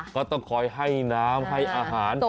ก็ต้องคอยให้น้ำให้อาหาร